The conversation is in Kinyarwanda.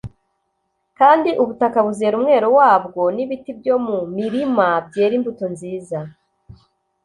kandi ubutaka buzera umwero wabwo n’ ibiti byo mu mirima byere imbuto nziza.